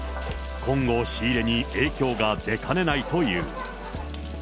今後、仕入れに影響が出かねないという。